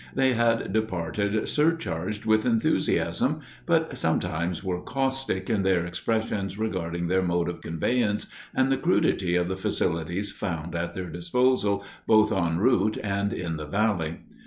They had departed surcharged with enthusiasm but sometimes were caustic in their expressions regarding their mode of conveyance and the crudity of the facilities found at their disposal both en route and in the valley.